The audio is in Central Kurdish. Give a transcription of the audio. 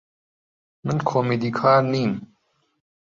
من کۆمیدیکار نیم.